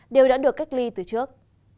đều đã được cách ly từ trước